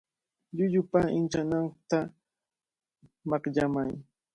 Llullupa inchananta makyamay.